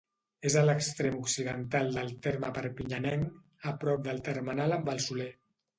És a l'extrem occidental del terme perpinyanenc, a prop del termenal amb el Soler.